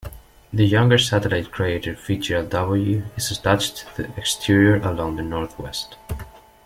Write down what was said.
The younger satellite crater FitzGerald W is attached to the exterior along the northwest.